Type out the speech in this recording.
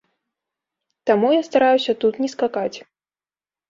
Таму я стараюся тут не скакаць.